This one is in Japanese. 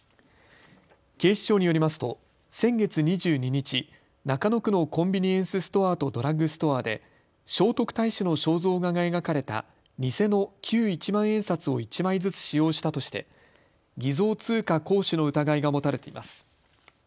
警視庁によりますと先月２２日、中野区のコンビニエンスストアとドラッグストアで聖徳太子の肖像画が描かれた偽の旧一万円札を１枚ずつ使用したとして偽造通貨行使の疑いが持たれています。